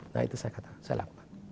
nah itu saya lakukan